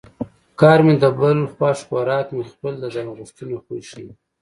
کار مې د بل خوښ خوراک مې خپل د ځان غوښتنې خوی ښيي